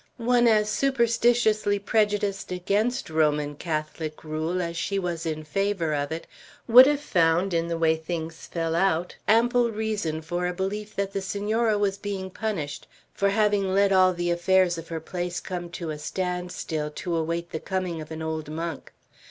One as superstitiously prejudiced against Roman Catholic rule as she was in favor of it, would have found, in the way things fell out, ample reason for a belief that the Senora was being punished for having let all the affairs of her place come to a standstill, to await the coming of an old monk.